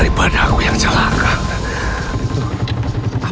lihat keadaan keluarga kita